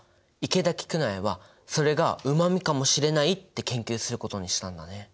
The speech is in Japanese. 池田菊苗はそれがうま味かもしれないって研究することにしたんだね。